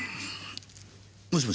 もしもし？